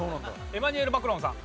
エマニュエル・マクロンさん。